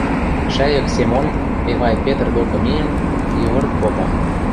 Шӓйӹк Семон, Эвай Петр докы миэн, йывырт попа: